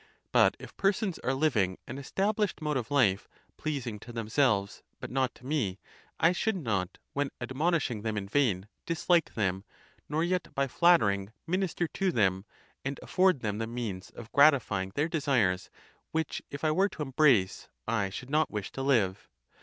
But if persons are living an estab lished mode of life, pleasing to themselves, but not to me, I should not, when admonishing them in vain, dislike them, nor yet by flattering, minister to them, and afford them the means of gratifying their desires, which if I were to embrace, I should not wish to live.